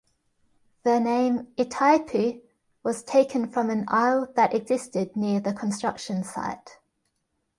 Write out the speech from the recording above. The name "Itaipu" was taken from an isle that existed near the construction site.